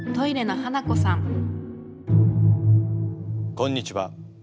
「」「」「」「」「」「」「」「」「」「」こんにちは。